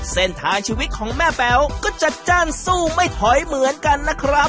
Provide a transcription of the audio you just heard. เส้นทางชีวิตของแม่แบ๊วก็จัดจ้านสู้ไม่ถอยเหมือนกันนะครับ